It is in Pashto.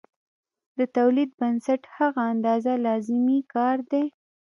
د تولید بنسټ هغه اندازه لازمي کار دی